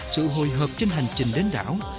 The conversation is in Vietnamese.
sự hồi hợp trên hành trình đến đảo